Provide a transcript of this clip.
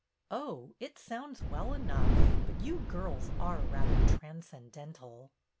"Oh, it sounds well enough. But you girls are rather transcendental."